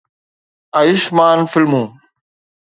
Ayushmann فلمون